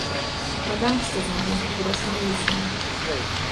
Прадам, што змагу, грошы не лішнія.